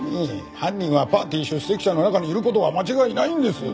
犯人はパーティー出席者の中にいる事は間違いないんです。